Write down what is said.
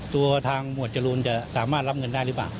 ตัวทางหมวดจรูนจะสามารถรับเงินได้หรือเปล่า